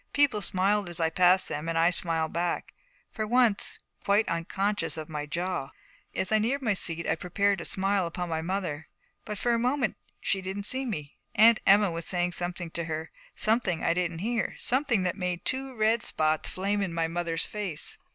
People smiled as I passed them and I smiled back, for once quite unconscious of my jaw. As I neared my seat I prepared to smile upon my mother, but for a moment she didn't see me. Aunt Emma was saying something to her, something that I didn't hear, something that made two red spots flame in my mother's face.